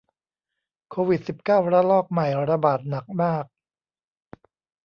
โควิดสิบเก้าระลอกใหม่ระบาดหนักมาก